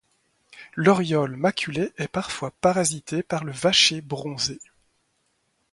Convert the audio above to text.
L’Oriole maculé est parfois parasité par le Vacher bronzé.